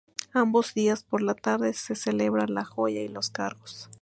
Ambos días por la tarde se celebra "La Joya" y "Los cargos".